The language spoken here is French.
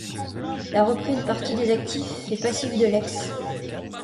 Elle a repris une partie des actifs et passifs de l’ex.